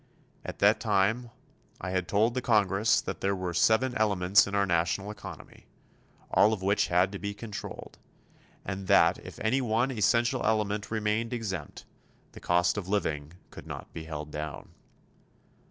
At that time I had told the Congress that there were seven elements in our national economy, all of which had to be controlled; and that if any one essential element remained exempt, the cost of living could not be held down.